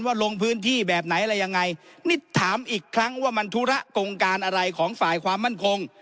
ลงพื้นที่แบบไหนอะไรยังไงนี่ถามอีกครั้งว่ามันธุระกงการอะไรของฝ่ายความมั่นคง